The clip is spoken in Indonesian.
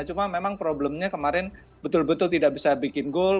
cuma memang problemnya kemarin betul betul tidak bisa bikin goal